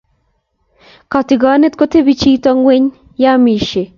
kotikonet kotepi chito ng'weny yee amishiek